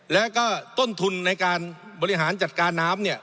แล้วก็ต้นทุนในการบริหารจัดการน้ำเนี่ย